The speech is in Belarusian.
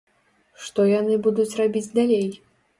Што яны будуць рабіць далей?